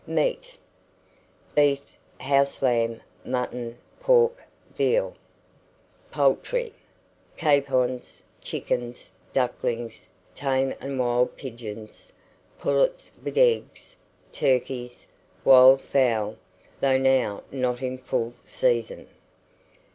MEAT. Beef, house lamb, mutton, pork, veal. POULTRY. Capons, chickens, ducklings, tame and wild pigeons, pullets with eggs, turkeys, wild fowl, though now not in full season.